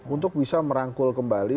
untuk bisa merangkul kembali